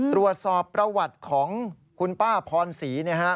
ตรวจสอบประวัติของคุณป้าพรศรี